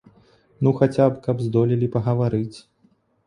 Ну, хаця б, каб здолелі пагаварыць.